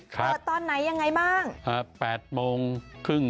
เปิดตอนไหนยังไงบ้าง